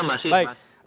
baik baik pak henry